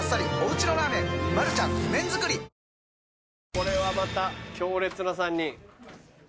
これはまた強烈な３人。